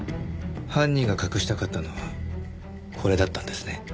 犯人が隠したかったのはこれだったんですね。